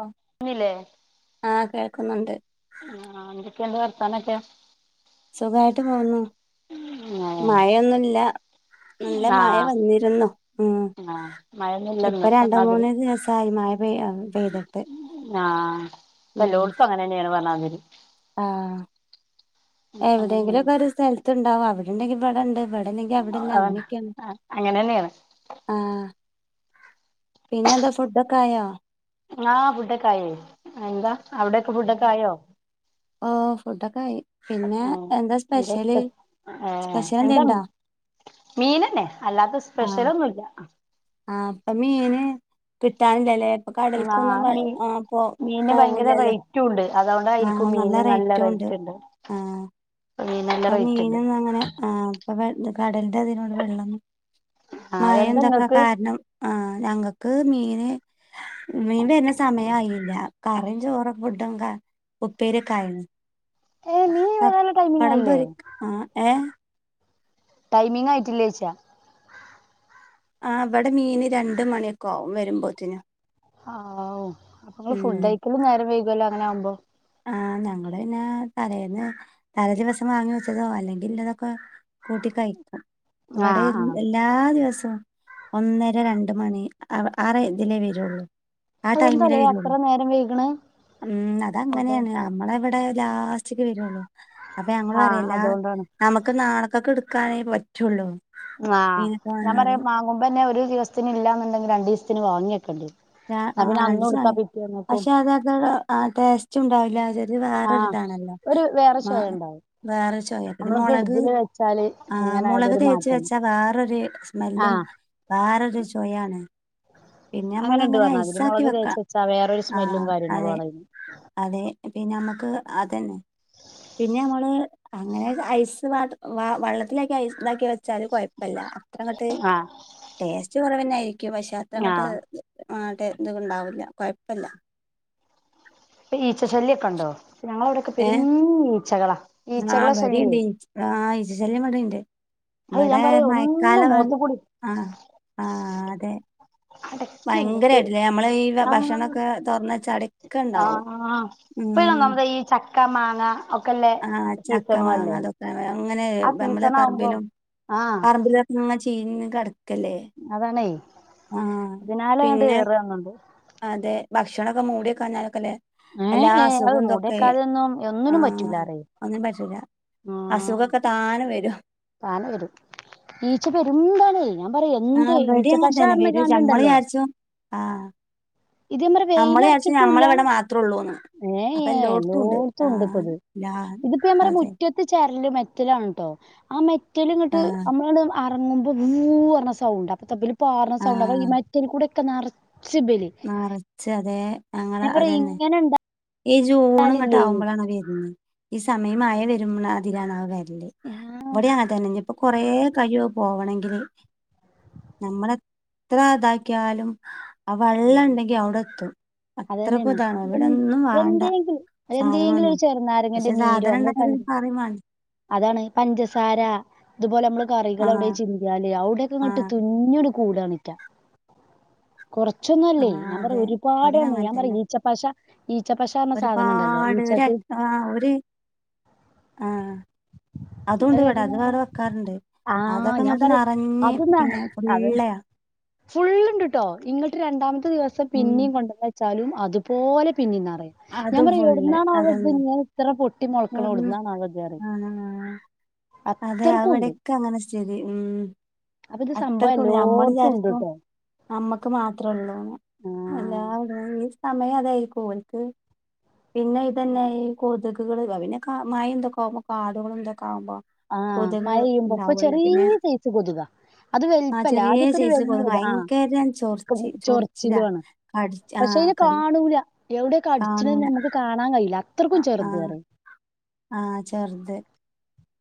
ഓഹ് ന്നില്ലേ ആഹ് കേൾക്കുന്നുണ്ട് ആഹ് എന്തൊക്കെയുണ്ട് വർത്താനൊക്കെ സുഖായിട്ട് പോവുന്നു മഴെന്നുവില്ല നല്ല ആ മഴ വന്നിരുന്നു ഉം ആ ഇപ്പ മഴന്നില്ലന്ന് രണ്ട് മൂന്ന് ദിവസായി മഴ പെയ ആഹ് ഇപ്പൊ ഉം എല്ലോടത്തും അങ്ങനെ തന്നെയാണ് വെള്ളം കേറി ആഹ് എവിടെയെങ്കിലും ഒക്കെ ഒരു സ്ഥലത്ത ഉണ്ടാവോ അവിടെണ്ടെങ്കിൽ ഇവിടെണ്ട് ഇവിടില്ലേ അവിടില്ല അങ്ങനെയൊക്കെയാണ് അങ്ങനെ തന്നെയാണ് ആഹ് പിന്നെന്താ ഫുഡൊക്കെ ആയോ ആഹ് ഫുഡൊക്കെ ആയിവരുന്നു എന്താ അവിടെയൊക്കെ ഫുഡൊക്കെ ആയോ ആഹ് ഫുഡൊക്കെ ആയി പിന്നെ ആഹ് എന്താ സ്പെഷ്യല് എന്തൊക്കെ ആഹ് സ്പെഷ്യൽ എന്താണ് എന്തേണ്ടോ മീനന്നെ അല്ലാതെ സ്പെഷ്യലൊന്നുമല്ല ആ ഇപ്പൊ മീന് കിട്ടാനില്ലല്ലേ കടൽക്കൊന്നും ആഹ് വ മീ ആഹ് പോ മീന് ഭയങ്കര പോവൂലല്ലോ റേറ്റും ഉണ്ട് ആഹ് അതുകൊണ്ടായിരിക്കും മീൻ നല്ല റേറ്റും റേറ്റ് ഉണ്ട് മീന് നല്ല ഇപ്പ റേറ്റ് ഉണ്ട് മീനൊന്നും അങ്ങനെ ആഹ് ഇപ്പ കടലിന്റെ [unintelligible] വെള്ളം ആ മഴ അതെന്താ എന്തൊക്കെ ഇങ്ങക്ക് കാരണം ആഹ് ഞങ്ങക്ക് മീന് മീൻ വരുന്ന സമയം ആയില്ല കറീം ചോറും ഫുഡൊക്കെ ഉപ്പേരിക്ക ആയിരുന്നു ഏ നീ ആഹ് വരാനുള്ള ടൈമിങ് ആയില്ലേ [unintelligible] ആഹ് ഏഹ് ടൈമിങ് ആയിട്ടില്ലേച്ചാ ആഹ് ഇവിടെ മീന് രണ്ട് മണിയൊക്കെ ആവും വരുമ്പോത്തിന് ആഹ് ഓ അപ്പൊ നിങ്ങള് ഉം ഫുഡയ്ക്കലും നേരം വൈകുവല്ലോ അങ്ങനെ ആവുമ്പോ ആഹ് ഞങ്ങള് പിന്നെ തലേന്ന് തലേ ദിവസം വാങ്ങി വെച്ചതോ അല്ലെങ്കിൽ ഉള്ളതൊക്കെ കൂട്ടി കഴക്ക ഇവിടെ ആഹ് ആഹ് എല്ലാ ദിവസവും ഒന്നര രണ്ട് മണി ആറെ ഇതിലേ വരുള്ളൂ ആ ടൈമിലേ അതെന്താലേ അത്ര വരുള്ളൂ നേരം വൈകണ് ഉം അങ്ങനെയാണ് നമ്മള ഇവിടെ ലാസ്റ്റ്ക്ക് വരുള്ളു അപ്പൊ ഞങ്ങള് ആഹ് പറയ എല്ലാ അതുകൊണ്ടാണ് നമുക്ക് നാളെക്കെക്കെടുക്കാനേ പറ്റുള്ളൂ ആഹ് മീനൊക്കെ ഞാൻ വാങ്ങിയാല് പറയും മാങ്ങുമ്പന്നെ ഒരു ദിവസത്തിന് ഇല്ലന്നുണ്ടെങ്കിൽ രണ്ടു ദിവസത്തിന് വാങ്ങിവെക്കണ്ടേ ആഹ് രണ്ട് ദിവസം വാങ്‌ പക്ഷെ അത അതോ ടേസ്റ്റ് ഉണ്ടാവില്ല ചെറിയ ആഹ് വേറൊരിതാണല്ലോ ഒരു വേറെ മാ ചൊവ ഉണ്ടാവും വേറെ ചൊവയ പിന്നെ നമ്മള് മുളക് ഫ്രിഡ്ജില് വെച്ചാല് ആഹ് എങ്ങനെ ആയാലും മുളക് ഒരു തേച്ച് വെ മാറ്റം ച്ചാ വേറൊരു സ്മെല്ലും ആഹ് വേറൊരു ചൊവയാണ് അങ്ങനെണ്ട് നമ്മളങ്ങനെ പറഞ്ഞാതിരി ഐസാക്കി മുളക് വെക്ക തേച്ച് വെച്ചാ വേറൊരു സ്മെല്ലും ആഹ് കാര്യങ്ങളും അതെ ആണ് അതിന് അതെ പിന്നെ നമുക്ക് അതന്നെ പിന്നെ നമ്മള് അങ്ങനെ ഐസ് വാട്ട് വെള്ളത്തിലൊക്കെ ഐസ് ഉണ്ടാക്കി വെ ച്ചാല് കുഴപ്പില്ല അത്രങ്ങട്ട് ആഹ് ടേസ്റ്റ് കുറവ തന്നെയായിരിക്കും പക്ഷെ ആഹ് അത്രങ്ങട്ട് ആഹ് ടെ ഇതുണ്ടാവില്ല കുഴപ്പില്ല ഇപ്പൊ ഈച്ചശല്യൊക്കെ ഉണ്ടോ ഞങ്ങള അവിടെയൊക്കെ പെരും ഏഹ് ഈച്ചകളാ ഈച്ചകള ആഹ് ശല്യേ ഇവിടെണ്ട് ആഹ് ഈച്ചശല്യം ഇവടണ്ട് അത് ഞാൻ ഇവിടെ പറയാ ഒന്ന് മയക്കാലവാണ് മോത്തുകൂടി ആഹ് ആഹ് അതെ അടക്കുണ്ട് [unintelligible] ഭയങ്കരായിട്ടില്ലേ നമ്മള് ഈ ആഹ് ഭക്ഷണൊക്കെ തുറന്ന് വെച്ച അടക്കെ ഉണ്ടാവും ആഹ് ഇപ്പ ഉം നമ്മുടെ ഈ ചക്ക മാങ്ങ ഒക്കെല്ലേ ആഹ് ചക്ക സീസണും മാങ്ങ അല്ലേ അതൊക്കെ അങ്ങനെ ആഹ് സീസൺ ആവുമ്പം ആഹ് ഇങ്ങന ചീഞ്ഞ് കിടക്കല്ലേ അതാണേ ആഹ് ഇതിനാല അങ്ങണ്ട് പിന്നെ ഏറുന്നുണ്ട് അതെ ഭക്ഷണൊക്കെ മൂട്യെക്കാഞ്ഞാലൊക്കെലേ ഏ എല്ലാ ഏ അത് അസുഖും തൊക്കേ മൂടിക്കാതെയൊന്നും ഒന്നിനും ആഹ് പറ്റൂലാറേ ഒന്ന്നും പറ്റൂലാ ആഹ് അസുഖൊക്കെ താനെ വെരും താനെ വെരും ഈച്ച പെരും താണേ ആഹ് ഇബെടി അങ്ങൻതന്നെ വെരാേയ്ച്ച കാണ്ടുണ്ടല്ലോ അങ്ങെള്ചാര്ച്ചും ആഹ് ഇത് നമ്മടെ അമ്മള്ചാര്ച്ചും വെയിലറച്ചിട്ടൂല്ല ഞമ്മളെവെടെ മാത്രാെള്ളൂന്ന് ഏ ഏ അപ്പെല്ലാേട്ത്തൂണ്ട് എല്ലോടത്തും ആഹ് ലാൻ അതെ ത് ചെര്ല് മെറ്റെലാണ്‌ട്ടോ ആ മെറ്റെല്ങ്ങെട്ട് ആഹ് അമ്മളാണ്ട് അറങ്ങുമ്പം വൂ അർണ സൗണ്ടാ അപ്പത്താ ബെല് പാറ്ണ സൗണ്ടാ അപ്പം ഈ ആഹ് മെറ്റെൽ കൂടെ ക്കെ നറ്ച്ച് ബെല് നറച്ച് അതേ ഞങ്ങെടെ ഇങ്ങെനെണ്ടാ ഈ ജൂണ്ങ്ങട്ടാവ്മ്പളാണാ വെര്ന്നെ ഈ സമയം മയ വെര്ണ തിലാണത് വെര്ല് ഞാ ബെടിം അങ്ങൻതന്നെ ഞ്ഞ്പ്പൊ കൊറേ കയ്യും അത് പോവണെങ്കില് നമ്മളെത്ര താക്ക്യാലും അ വള്ളണ്ടെങ്കി അവ്ടെത്തും അതന്നെയാണ് അത്രക്കുംതാണ് എന്ത് ഇവിടൊന്നും വാണ്ട എന്തെങ്കിലും എന്തെങ്കിലും ഒരു സാധനങ്ങളൊന്നും ചെറുനാരങ്ങന്റെ പക്ഷെ നീരോ നമ്മള് സാധനംണ്ടായാല് പഞ്ച അറിം മാൻ അതാണ് പഞ്ചസാര ത്പോലെ മ്മെള് കറികളൊവ്ടേ ആഹ് ചിൻ ന്ത്യാല് അവ്ട്യൊക്കെങ്ങെട്ട് ആഹ് തുഞ്ഞ്ട് കൂടാണിറ്റാ കാെറച്ചൊന്നും അല്ലേ ആഹ് ഞാൻ പറ്യാ അതെ ഇവിടേം ഒരുപാടാണ് അങ്ങനെ ഞാൻ പറ്യാ തന്നെ ഈച്ച പഷ ഒരുപാട് ഒര ആഹ് ഒര് ആഹ് അതൂണ്ട്‌വെടെ അത് വേറെ വെക്കാറ്ണ്ട് ആ ഞാൻ അതൊക്കെങ്ങെട്ട് പറയും നറഞ്ഞ് പിന്നെ ഫുള്ളയാ ഫുള്ള്ണ്ട്ട്ടോ ഇങ്ങട്ട് രണ്ടാമത്തെ ദിവസം ഉം പിന്നിം കൊണ്ടെന്നെച്ചാലും അതുപോലെ പിന്നിം നറയും ഞാൻ അതും പറ്യാ ഫുള്ള് യൊട്ന്നാണാവോ അതന്നെ ത്ങ്ങെ ത്രെ പൊട്ടി മൊൾക്ക്ണെ എവിടുന്ന് ഒട്ന്നാണാവോത് അറിം ആഹ് അതെ അത് വെടെക്കെ അങ്ങെനെ സ്തി ഊം അപ്പൊ ഇത് സംഭവം അത്രെക്കും എല്ലായിടത്തും ഉണ്ട് ഞമ്മള്ചാരിക്കും ട്ടോ നമ്മക്ക് മാത്രാെള്ളൂന്ന് ആ എല്ലാത് ഈ സമയം അതായ്ര്ക്കും ഓൽക്ക് പിന്നെ ഇതെന്നെ ഈ കൊത്ക്‌കള് പ്പ പിന്നെ കാ മയിം തൊക്കാവുമ്പം കാടുകളും തൊക്കാവുമ്പം ആഹ് മയെയ്യുമ്പം പ്പ ചെറീ സൈസ് കൊതുകാ അത് ആ വെൽപ്പല്ലാ ചെറിയ ആദ്യാെക്കാെര് സൈസ് കൊതുക് വെല്യത് ഭയങ്കര ആഹ് ചൊറിച്ച് ചൊറിച്ചിലാ ചൊർച്ചിലു ആണ് കടിച്ച് ആ പക്ഷെ ഇത് കടി കാണൂല എവ്ടെ കാണൂല കട്ച്ച്ണേന്ന്മ്ക്ക് കാണാം കയ്യൂല അത്രക്കും ചെറ്ത് അറി ആഹ് ചെർത്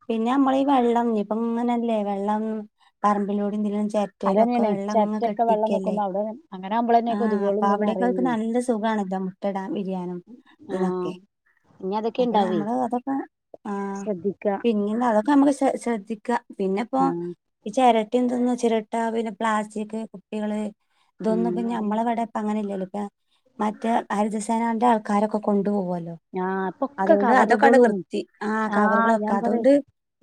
പിന്നെ ഞമ്മളീ വെള്ളം ഇപ്പം ഇങ്ങെനെല്ലേ വെള്ളം പറമ്പിലൂടിം തിലിം ചെ രെട്ടേലൊക്കെ അതന്നെയാണ് വെള്ളംങ്ങ് ചിരട്ടയൊക്കെ വെള്ളം കെട്ടിക്കെല്ലേ നിക്കുമ്പോ അവിടെ അങ്ങനെ ആകുമ്പോളന്നെ ആഹ് കൊതുകുകളും അപ്പൊ ഇതൊന്നും അവിടെക്കെക്കവർക്ക് അറിയുന്നേ നല്ല സുഖാണ്‌ട്ടോ മുട്ടടാൻ വിരിയാനും ആ തിനാെക്കെ ഇനി അതൊക്കെ അപ്പം ഉണ്ടാവേ ഞമ്മള് അതൊക്കെ ആഹ് ശ്രദ്ധിക്ക പിന്നിംന്നതൊക്കെ നമ്മള് ശ് ശ്ര ക്കാ പിന്നെപ്പോ ആ ഈ ചെരെട്ടിം തൊന്നും ചിരെട്ട പിന്നെ പ്ലാസ്റ്റിക് പ്പികെള് ഇതൊന്നും ഉം അതന്നെ വ്ടെ ഇപ്പ അങ്ങനെ ഇല്ല്യല്ലോ ഇപ്പാ മറ്റേ ഹരിതസേനാന്റെ ആൾക്കാരൊക്കെ കൊണ്ടു പോവാേല്ലോ ആ ഇപ്പൊക്കെ അതോണ്ട് അതൊക്കാണ്ട് കവറുകളും വൃത്തി ആഹ് ആ കവറ്കളൊക്ക ഞാൻ പറയാ അത്കൊണ്ട്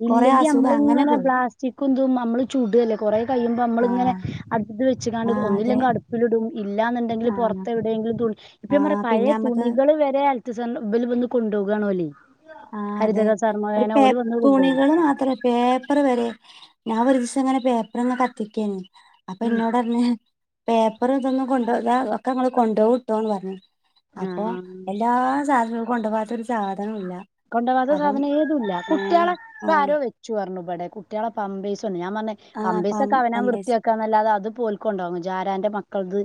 ഇല്ലെങ്കി നമ്മള്ങ്ങെനെ ബ്ലാസ്റ്റിക്കും തും അമ്മള് ചുട് അല്ലേ കൊറേ കയ്യുമ്പം ആ അമ്മള്ങ്ങെനെ അട്പ്പത്ത് ആ വെച്ച്ക്കാണ്ട് അതെ ഒന്നുല്ലെങ്ക് അട്പ്പ്ല്ടും ഇല്ലാന്ന്ണ്ടെങ്കില് ആ പാെറെത്ത് എവിടേങ്കിലും തു ആ ഇപ്പഞാ പറയാ പിന്നെ പഴേ നമ്മക്ക് തുണികള് വെ രെ ഹെൽത് സെൻട് ഇബല് വന്ന് കൊണ്ടോകാണ് ഓലേ- ആ അതെ ഒരു പേപ് കൊണ്ടു തുണികള് മാത്രം. പേപ്പർ വെരെ ഞാൻ ഒരു ദിവസം ഇങ്ങനെ പേപ്പറിങ്ങനെ കത്തിക്കേനി- ഉം അപ്പെനോടർന് പേപ്പറ് ഇതൊന്നും കൊണ്ടോകാ ഒക്ക്ങ്ങള് കൊണ്ടോവുട്ടോന്ന് പർഞ്. അപ്പൊ ആഹ് എല്ലാ സാധനോം കൊണ്ടോവാത്ത ഒരു സാധനോം ഇല്ല. കൊണ്ടോവാത്ത സാധനം ഏതുല്ല കുട്ട്യേളെ ഇപ്പ ആഹ് ആരോ വെച്ചു പറഞ്ഞു ഇപടെ കുട്ട്യേളെ പമ്പേസ് പറഞ്ഞെ ഞാ പറഞ്ഞെ. ആഹ് പം പമ്പേഴ്സൊക്കെ അവനാ പമ്പേഴ്സ് വൃത്തിയാക്കാന്നല്ലാതെ അത് ഇപ്പോൽക്കൊണ്ടാവും ജാരാന്റെ മക്കൾത്.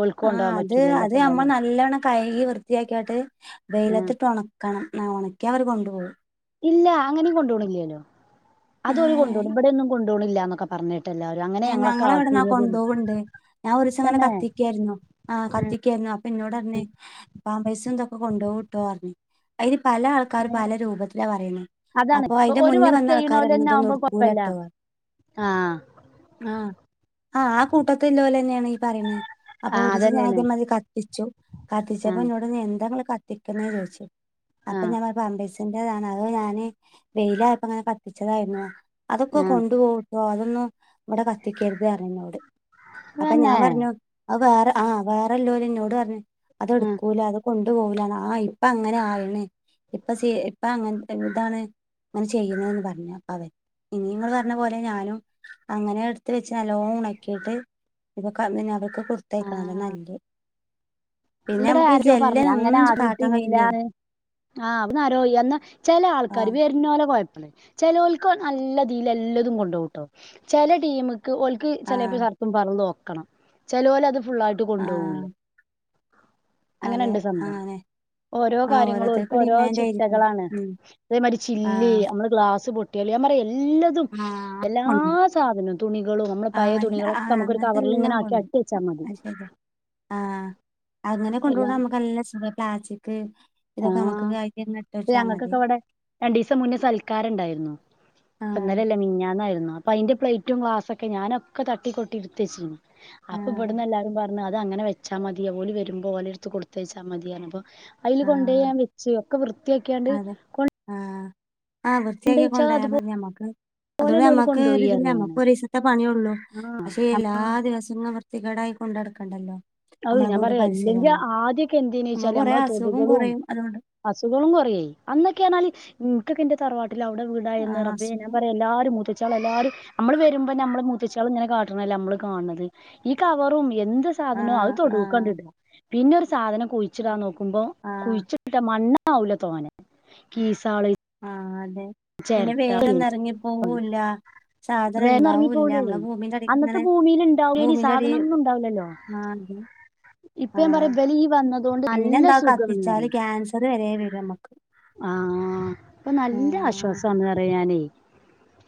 ഓൽക്ക് ആഹ കൊണ്ടോവാൻ അത് പറ്റൂലല്ലോ അത് ഞ്ഞമ്മ ഇപ്പേതായാലും ന്നല്ലണം കൈകി വൃത്തിയാക്കിയാട്ട് ആഹ് വെയ്ലത്തിട്ട് ഒണക്- ക്കണം ന്ന ഒണക്ക്യാ അവര് കൊണ്ടു പോവും. ഇല്ല അങ്ങനെയും കൊണ്ടോണില്ലല്ലോ. അതൊര് കൊണ്ടോണ് ഏഹ് ഇബടൊന്നും കൊണ്ടോണില്ലാ ന്നൊക്ക പറഞ്- എല്ലാരും അങ്ങ- ഏ ഞങ്ങളെവിടന്നാ കൊണ്ടോവ്ണ്ട് ഞാ ഒരീസം ഇങ്ങനെ തന്നെ കത്തിക്കായ്ര്ന്നു. ആഹ കത്തിക്കായിരുന്നു അപ്പിനോടർന്. പാമ്പേഴ്സും ഇതൊക്കെ കൊണ്ടോവുട്ടോ പർഞ് അയ്ന് പല ആൾ- ക്കാര് പല രൂപത്തില പറയ്ണ് അതാണ് അപ്പൊ ഇപ്പൊ അയ്ന്റെ ഒരു മുന് വർക്ക് വന്ന ആൾക്കാരർഞ് ഇതൊന്നും ഉടുക്കൂലട്ടോ പറ- ആഹ ആഹ ആഹ് ആ കൂട്ടത്തില്ലോലെനെണ് ഈ പറയ്ണ് ആഹ് അപ്പൊരീസം ഞാ അതന്നേണ് ഇതേ മാതിരി കത്തി- കത്തിച്ചു കത്തിച്ചപ്പോ ആഹ് എന്നോടർഞ് എന്താ ഇങ്ങള് കത്തിക്കണേ ചോയ്ച്ചു അപ്പൊ ആഹ് ഞാ പറഞ് പാമ്പേഴ്സ്. ഇന്റെതാണ് അത് ഞാന് വെയ്ലായപ്പോ ഇങ്ങനെ കത്തിച്ചതായ്രുന്നു അതൊക്കെ ആഹ് കൊണ്ടുപോവു- ഓ അതൊന്നും ഇവടെ കത്തിക്കരുത് പറഞ് ഇനോട് അപ്പ ഞാൻ അതന്നെ പറഞ്ഞു. അത് വേറെ ആ വേറെല്ലോര് ഇനോട് പറഞ്ഞ് ആഹ് അതെടുക്കൂല അത്. കൊണ്ടു പോവൂലാന്നാ ആ ഇപ്പ അങ്ങനെ ആയണ് ഇപ്പ സി ഇപ്പ അങ്ങൻ ത്തെ ഇതാണ്. ഇങ്ങനെ ചെയ്യുണുന്ന് പറഞ്ഞു അവൻ ഇനിങ്ങള് പർന പോലെ ഞാനും. അങ്ങനെ എടുത്ത് വെച്ച് ന്നല്ലോം ഒണക്കിയിട്ട് ഇപ്പൊ കം പിനെ അതൊക്കെ കൊട് തയക്കണം അതാണ് ന്നല്ലയ്. ഇവിടെ ആരെയോ പറഞ്ഞ ജെല്ലന് അങ്ങനെ ഒന്നും കാട്ടാൻ കഴിയില്ലേ ആടിട്ടില്ലാന്ന് ആഹ അവ്ട്ന്നാരോയി എന്നാ ചെല ആ ആൾക്കാര് വെര്നോലെ കൊയപ്പളെ ചെലോൽക്ക് ഓൽ ന്നല്ലതീല് എല്ലതും കൊണ്ടോവുട്ടോ ചെല ട്ടീമ്ക്ക് ഓൽക്ക് ആ ചെലേപ്പോ സർ- പറഞ് നോക്കണം ചെലോലത് ഫുള്ളായിട്ട് ആ കൊണ്ടോവൂല്ല. അതെ അങ്ങനെണ്ട് ആഹ് സംഭവം അതേ. ഓരോ കാര്യങ്ങളുഓൾക്ക് ഓരോ ആയിരിക്കും ചിട്ടകളാണ്, ഉം അതേ മാരി ആ ചില്ലി നമ്മള് ഗ്ലാസ് പൊട്ടി- എളിയാ പറയും എല്ലതും. ആ എല്ലാ കൊണ്ടും സാധനോം തുണികളും നമ്മളെ ആ പയേ അല്ല, ആ തുണികളൊക്കെ നമുക്കൊരു അങ്ങനത്തെ കവർലിങ്ങനെ ആക്കി ആ- വെച്ചാമതി. ആഹ അങ്ങനെ കൊണ്ടോണത് എല്ലാം നമ്മക്ക് ന്നല്ലസുഖ പ്ലാസ്റ്റിക്. ഇതൊക്കെ നമുക്ക് ആഹ് കൈകെനെ ഇട്ടെച്ചാ മതി. ഞങ്ങക്കൊക്കെ ഇവിടെ രണ്ടീസം മുനെ സൽക്കാരണ്ടായിരുന്നു ആഹ് ഇപ്പിന്നലല്ല മിഞ്ഞാന്നായിരുന്നു അ - ഐന്റെ പ്ലെയ്റ്റും ഗ്ലാസ്സൊക്കെ ഞാനൊക്കെ തട്ടിക്കൊട്ടി ഇട്ത്തെച്ചീനി അപ്പ ആഹ് ഇപട്ന്നെല്ലാരും പറ- ഞ് അത് അങ്ങനെ വെച്ചാ മതി അവല് വെരുമ്പോ ഓലെട്ത്ത് കൊടുത്തയച്ചാ മതിപറഞ്ഞപ്പോ അവല് കൊണ്ടോവാൻ പറ്റ്- ച്ചോ ഒക്കെ വൃത്തിയാക്കിയാണ്ട്. ആഹ ആഹ വൃത്തിയാക്കി കൊണ്ടോയിച്ചാ കൊണ്ടായാ അതുപോലെന്നെ മതി ഞമ്മക്ക്. അത്പ്പ ഓല് ഞമ്മക്ക് കൊണ്ടോയി ഒരിതില്ല പറയാണ് ഞമ്മക്ക് ഒരിസത്തെ പണിയൊള്ളൂ ആഹ് പഷെ എല്ലാ ദിവസം അവർ- ചികടായ് കൊണ്ടടക്കണ്ടല്ലോ? അയ് ഞാൻ പറയാ അല്ലെങ്കെ ആദ്യക്കെ നമുക്ക് എന്തേനെച്ചാല് കൊറേ നമ്മളെ അസുഖം തൊടുകുളും. കൊറയും അതുകൊണ്ട് അസുഖങ്ങളും കൊറയെയ് അന്നൊക്കെയാർണാല് ഇൻകെക്കെ ന്റെ തറവാട്ട്- ല്ലാ അവടെ വീടായിര്ന്ന് ആഹ് റബ്ബേ ഞാം അസുഖം പറയാ എല്ലാരും മൂ ഷാഅല്ലാഹ് എല്ലാരും നമ്മള് വരുമ്പോ നമ്മള് മൂത്തചിയാള് ഇങ്ങനെ കാട്ട്ണല്ലേ നമ്മള് കാൻണത്. ഈ കവറും എന്ത് സാധനോ അത് ആഹ് ആഹ് തൊടൂക്കണ്ട്ടും പിന്നെ ഒരു സാധനം കുഴിച്ച്ടാൻ നോക്കുമ്പോ ആഹ് കുഴിച്ചിട്ട മണ്ണ് ണ്ണാവൂലാ തോനെ കീസാള് ആഹ് അതെ, പിന്നെ ചിരട്ട വേരോന്നും എറങ്ങിപ്പോവൂല്ലാ. സാധനം വേഗം ഇറങ്ങി ഉണ്ടാവൂല്ലാ പോവൂലേ മ്മളെ ഭൂമിന്റെ അടീക്ക് അന്നത്തെ ങ്ങനെ ഭൂമിയിൽ ഉണ്ടാവൂലേനി ഭൂമിന്റെ അടീ സാധനൊന്നും ഉണ്ടാവൂലല്ലോ ആഹ് ണ്ട്. ഇപ്പൊ ഞാൻ പറയാ ആഹ് ഇബല് ഈ വന്നതുകൊണ്ട് പിന്നെ നല്ല എന്താ സുഖാണ് പറയും കത്തിച്ചാല് ക്യാൻസർ വരെ വരും മ്മക്ക്. ആഹ് പ്പൊ നല്ല ആശ്വാസാണെന്ന് പറിം ഞാനേയ്.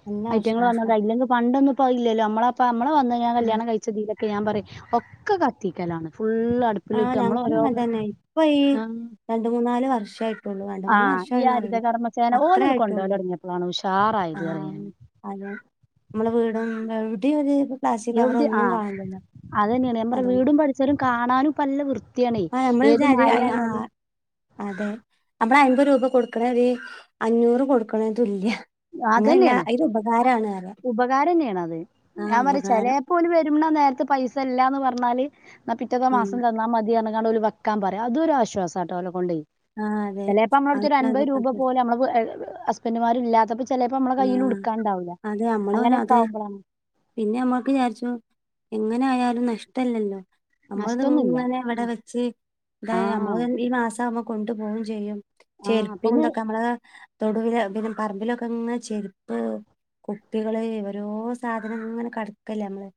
നല്ല ഐറ്റങ്ങൾ ആശ്വാസ വന്നത ഇല്ലങ്ക പണ്ടന്നുപ്പൊ ഇല്ലോല്ലോ അമ്മളെപ്പൊ മ്മളേ വന്ന് കല്യാണം കയി ച്ച തിലൊക്കെ ഞാം പറിം ഒക്കെ കത്തിക്കലാണ് ഫുള്ള് അട് ആഹ് ഞങ്ങള് ഇങ്ങൻ തന്നെ ഇപ്പ ഈ രണ്ട് മൂന്നാല് വർഷായി രണ്ട് ആ മൂന്ന് ഈ ഹരിത വർഷായിന്നാറിന് കർമ്മസേന അത്രേ ഓലോട് കൊണ്ടുപോകൽ ആയിട്ടെള്ളൂ തുടങ്ങിയപ്പോഴാണ് ഉഷാറായത് അറിയാൻ ആഹ്. അതെ നമ്മള വീട് [unintelligible] എവിടെ ഒര് എവടെ ആഹ്, അത് തന്നേണ് നമ്മടെ അതുകൊണ്ട് വീടും പരിസരം കാണാനുംപ്പ നല്ല വൃ ത്തിആണയ് ആ നമ്മള് ഒരു ഏതു അരി ആ മഴയാലും അതെ നമ്മള് അയ്മ്പത് രൂപ കൊടുക്കണര് അഞ്ഞൂറ് കൊടുക്ക്ണേന് തുല്യാ. അതന്നേണ് ഉപകാരം ന്നേണ് അത് ആ ഞാം പറിം ചേലേ ഉപകാരം പ്പൊ ഓല് വരുന്ന നേര്ത്ത് പൈസ ഇല്ലാന്ന് പർഞ്ഞാല് ന്നാ പിറ്റത്തെ ഉം മാസം തന്നാ മതീർഞ് ന്നാ ഓര് വെക്കാം പറയ അതൊര് ആശ്വാസാട്ടോ ഓലെ കൊണ്ടയ്. ആ അതെ ചെലേപ്പോ അമ്മളടുത്തൊരു അൻപത് രൂപ അതൊക്കെ പോലെ അമ്മളെ വേ ഹസ് ഹസ്ബൻ്റ് മാര്ല്ലാത്തപ്പോ ചെലേപ്പോ അമ്മളെ ആഹ് കയ്യിലുട്ക്കാണ്ടാവൂലാ അതെ നമ്മളോര അങ്ങനെക്കെ അതെ ആവുമ്പളാണ് പിന്നെ അമ്മക്ക് ചാര്ച്ചു എങ്ങനെ ആയാലും നഷ്ട്ടല്ലല്ലോ. നഷ്ടൊന്നുല്ല അമ്മൾതിങ്ങനെ ഇവടെ വെച്ച് എന്തായാ ആഹ് മ്മള് ഈ മാസാവുമ്പോ കൊണ്ടു പോവും ചയ്യും. ആഹ് പിന്നെ ചെരുപ്പുന്തൊക്കെ അമ്മള് തൊടൂല് പിന്നെ പറമ്പിലൊക്കെങ്ങെ ചെരുപ്പ് കുപ്പികള് ഓരോ സാധനങ്ങനെ കട ക്കല്ലേ അമ്മള്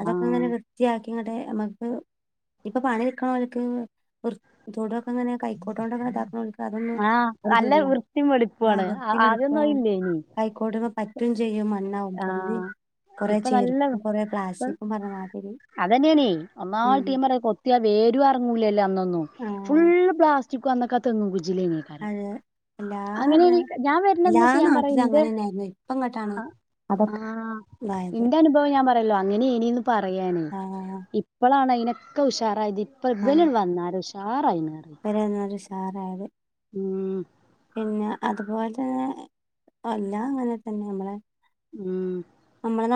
അതൊക്കെങ്ങനെ ആഹ് ത്തിയാക്കിങ്ങട്ട് അമ്മക്ക് ഇപ്പൊ പണി ഇട്ക്ണോൽക്ക് വൃ തൊടുക്കെങ്ങനെ കൈക്കോട്ടോണ്ടക്കെ ഇതാക്ക്ണോൽക്ക് അതൊന്നും ആഹ് ഒല്ജ് നല്ല വൃത്തിം വെടുപ്പാണ് ആ ആദ്യന്നും അയില്ലേനീ. കൈക്കോട്ട്മ്മേ പറ്റും ചെയ്യും മണ്ണാവും കന്തി ആഹ് ഇപ്പൊ നല്ലവ് പ്പ പറഞ്ഞ മാതിരി അതന്നെണേയ് ഒന്നായിട്ട് ഞാ പറേ കൊ ത്തിയാ വേരും അറങ്ങൂലല്ലോ അന്നൊന്നും ആഹ് ഫുള്ള് പ്ലാസ്റ്റിക്കു അന്നൊക്കെ തെങ്ങും കുജ്ജ്ലേന്നു. ആരാ അത് എല്ലാടെ അങ്ങനെനീ ഞാ എല്ലാ വര്ണന്നൊക്കെ ഞാ പറയാ നാട്ടിലും ഇന്റെ അങ്ങനെ തന്നെയായിരുന്നു ഇപ്പം ഇങ്ങട്ടാണ് ആഹ്. അതൊക്കെ ആഹ്, ഇതായത് ഇന്റെ അനുഭവം ഞാ പറയല്ലോ അങ്ങനെനീന്ന് പറയാനേ ആഹ് ഇ ഇപ്പളാണ് അയിനൊക്കെ ഉഷാറായത് ഇപ്പ ഇബല്ൺ വന്നാല് ഉഷാറായിന്ന്അർ ഇപരന്നാല് ഉഷാറായത് ഉം പിന്നെ അതുപോ ഏഹ് ആഹ് ഞാങ്ങനെതന്നെ അമ്മളെ ഉം, അമ്മളന്നാ